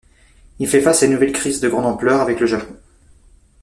Il fait face à une nouvelle crise de grande ampleur avec le Japon.